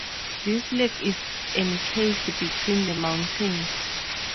This lake is encased between the mountains.